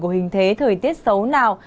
của hình thế thời tiết xấu nào